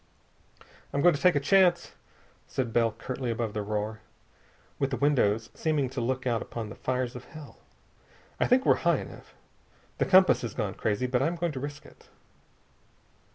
"I'm going to take a chance," said Bell curtly above the uproar, with the windows seeming to look out upon the fires of hell. "I think we're high enough. The compass has gone crazy, but I'm going to risk it."